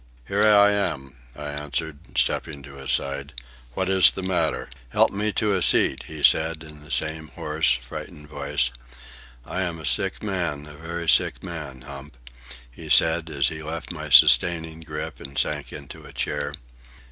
"Here I am," I answered, stepping to his side. "What is the matter?" "Help me to a seat," he said, in the same hoarse, frightened voice. "I am a sick man; a very sick man, Hump," he said, as he left my sustaining grip and sank into a chair.